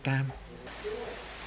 chất độc da cam